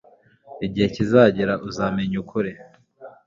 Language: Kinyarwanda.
Igihe kizagera uzamenya ukuri